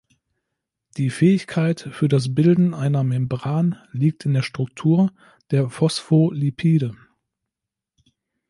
Die Fähigkeit für das Bilden einer Membran liegt in der Struktur der Phospholipide.